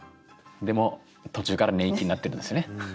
でも途中から寝息になってるんですよね。